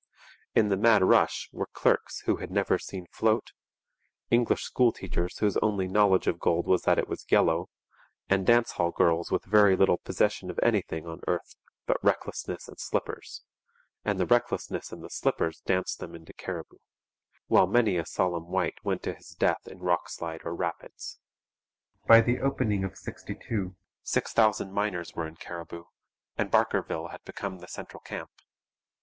In the mad rush were clerks who had never seen 'float,' English school teachers whose only knowledge of gold was that it was yellow, and dance hall girls with very little possession of anything on earth but recklessness and slippers; and the recklessness and the slippers danced them into Cariboo, while many a solemn wight went to his death in rockslide or rapids. By the opening of '62 six thousand miners were in Cariboo, and Barkerville had become the central camp.